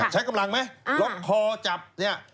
ใช้กำลังไหมล็อกคอจับเนี่ย